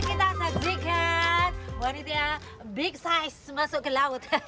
oke kita saksikan wanita besar masuk ke laut